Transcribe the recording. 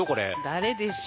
誰でしょう？